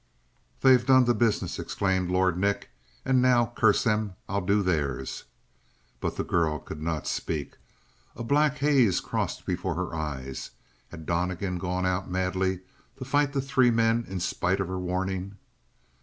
"They've done the business!" exclaimed Lord Nick. "And now, curse them, I'll do theirs!" But the girl could not speak. A black haze crossed before her eyes. Had Donnegan gone out madly to fight the three men in spite of her warning?